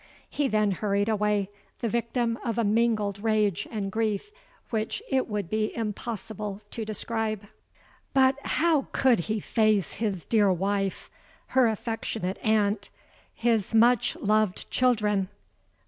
'—He then hurried away, the victim of a mingled rage and grief which it would be impossible to describe. "But how could he face his dear wife—her affectionate aunt—his much loved children?